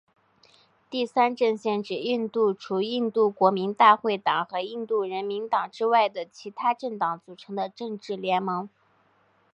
第三阵线指印度除印度国民大会党和印度人民党之外的其它政党组成的政治联盟。